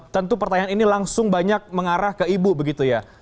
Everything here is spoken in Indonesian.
tentu pertanyaan ini langsung banyak mengarah ke ibu begitu ya